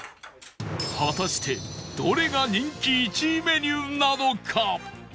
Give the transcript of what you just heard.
果たしてどれが人気１位メニューなのか？